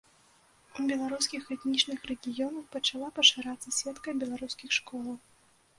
У беларускіх этнічных рэгіёнах пачала пашырацца сетка беларускіх школаў.